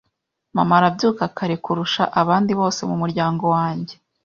Mama arabyuka kare kurusha abandi bose mu muryango wanjye.